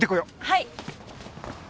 はい。